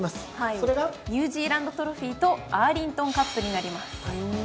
ニュージーランドトロフィーとアーリントンカップになります。